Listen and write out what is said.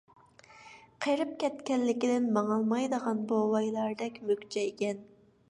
قېرىپ كەتكەنلىكىدىن ماڭالمايدىغان بوۋايلاردەك مۈكچەيگەن.